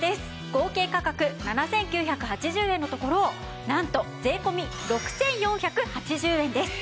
合計価格７９８０円のところなんと税込６４８０円です。